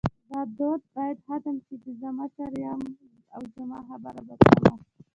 دا دود باید ختم شې چی زه مشر یم او زما خبره به سمه